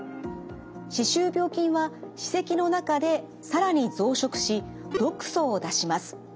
歯周病菌は歯石の中で更に増殖し毒素を出します。